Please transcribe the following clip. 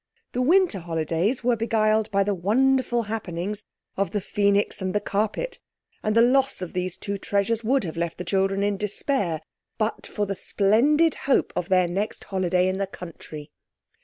The winter holidays were beguiled by the wonderful happenings of The Phœnix and the Carpet, and the loss of these two treasures would have left the children in despair, but for the splendid hope of their next holiday in the country.